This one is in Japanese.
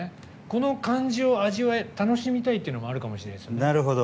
この感じを楽しみたいっていうのもあるかもしれないですもんね。